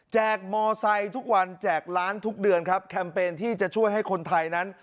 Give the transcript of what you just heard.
กมอไซค์ทุกวันแจกร้านทุกเดือนครับแคมเปญที่จะช่วยให้คนไทยนั้น